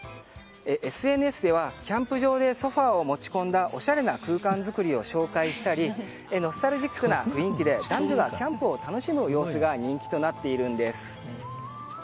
ＳＮＳではキャンプ場でソファを持ち込んだおしゃれな空間作りを紹介したりノスタルジックな雰囲気で男女がキャンプを楽しむ様子が人気となっているんです。